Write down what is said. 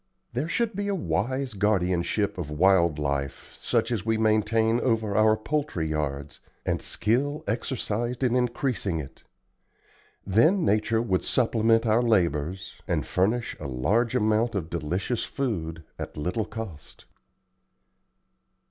There should be a wise guardianship of wild life, such as we maintain over our poultry yards, and skill exercised in increasing it. Then nature would supplement our labors, and furnish a large amount of delicious food at little cost."